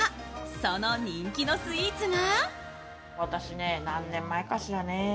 その人気のスイーツが。